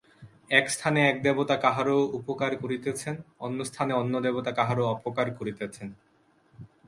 একস্থানে এক দেবতা কাহারও উপকার করিতেছেন, অন্যস্থানে অন্য দেবতা কাহারও অপকার করিতেছেন।